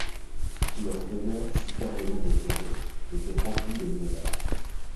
Leur demeure, superbement décorée, était remplie d'objets d'art.